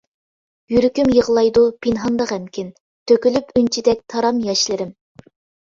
يۈرىكىم يىغلايدۇ پىنھاندا غەمكىن، تۆكۈلۈپ ئۈنچىدەك تارام ياشلىرىم.